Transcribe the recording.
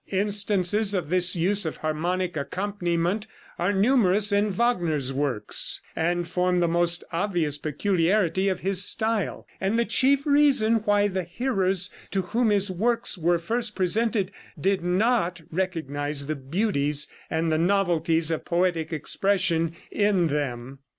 Instances of this use of harmonic accompaniment are numerous in Wagner's works, and form the most obvious peculiarity of his style, and the chief reason why the hearers to whom his works were first presented did not recognize the beauties and the novelties of poetic expression in them.